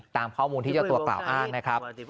ตามข้อมูลที่เจ้าตัวกล่าวอ้างนะครับ